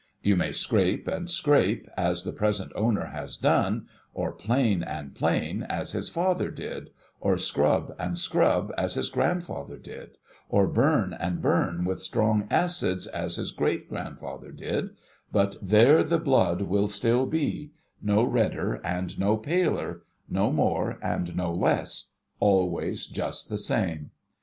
You may scrape and scrape, as the present owner has done, or plane and plane, as his father did, or scrub and scrub, as his grandfather did, or burn and burn with strong acids, as his great grandfather did, but, there the blood will still be — no redder and no paler — no more and no less — always just the same.